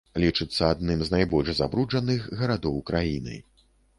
Лічыцца адным з найбольш забруджаных гарадоў краіны.